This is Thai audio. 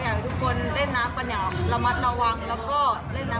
อยากทุกคนขอให้กำลังใจเมียต่อไป